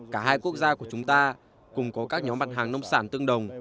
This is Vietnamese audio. cả hai quốc gia của chúng ta cùng có các nhóm mặt hàng nông sản tương đồng